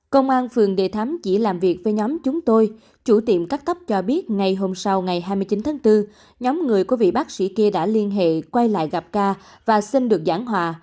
công an phường đề thấm chỉ làm việc với nhóm chúng tôi chủ tiệm cắt tóc cho biết ngày hôm sau ngày hai mươi chín tháng bốn nhóm người của vị bác sĩ kia đã liên hệ quay lại gặp ca và xin được giãn hòa